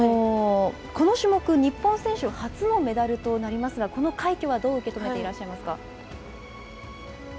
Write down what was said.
この種目、日本選手初のメダルとなりますが、この快挙はどう受け止めていらっしゃいますか？